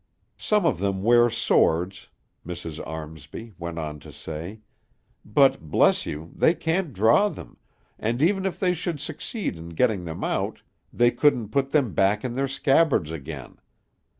"Some of them wear swords," Mrs. Armsby went on to say; "but, bless you, they can't draw them, and even if they should succeed in getting them out, they couldn't put them back in their scabbards again.